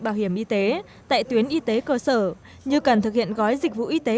bảo hiểm y tế tại tuyến y tế cơ sở như cần thực hiện gói dịch vụ y tế